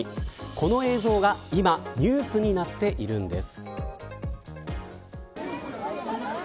この映像が今ニュースになっているんです。